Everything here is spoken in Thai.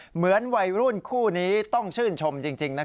เหมือนวัยรุ่นคู่นี้ต้องชื่นชมจริง